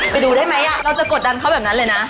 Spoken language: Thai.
ไปดูได้ไหมเราจะกดดันเขาแบบนั้นเลยนะ